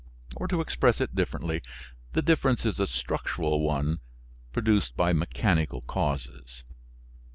Or, to express it differently the difference is a structural one produced by mechanical causes.